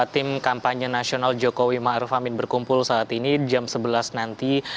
tim kampanye nasional jokowi ⁇ maruf ⁇ amin berkumpul saat ini jam sebelas nanti